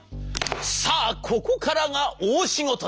さあここからが大仕事だ！